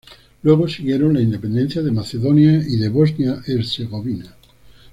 Luego siguieron las independencias de Macedonia y de Bosnia-Herzegovina.